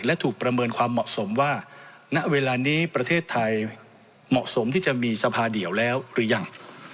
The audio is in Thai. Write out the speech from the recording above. และถูกประเมินความเหมาะสมว่าณเวลานี้ประเทศไทยเหมาะสมที่จะมีสภาเดียวแล้วหรือยัง